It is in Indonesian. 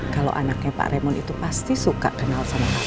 kalau anaknya pak remon itu pasti suka kenal sama pak